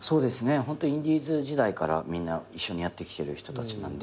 ホントインディーズ時代からみんな一緒にやってきてる人たちなんで。